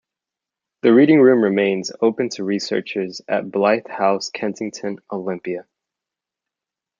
The reading room remains open to researchers at Blythe House, Kensington Olympia.